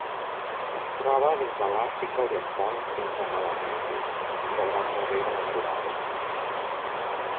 Es troba des de l'Àfrica Oriental fins a Melanèsia i la Gran Barrera de Corall.